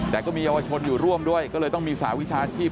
แต่ก็มีเยาวชนอยู่ร่วมด้วยก็เลยต้องมีสหวิชาชีพ